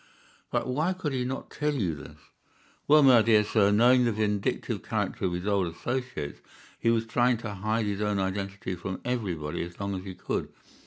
"But why could he not tell you this?" "Well, my dear sir, knowing the vindictive character of his old associates, he was trying to hide his own identity from everybody as long as he could.